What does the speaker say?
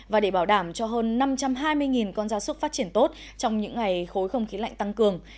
và để bảo đảm cho hơn năm trăm hai mươi con gia súc phát triển tốt trong những ngày khối không khí lạnh tăng cường